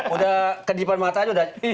udah kedipan mata aja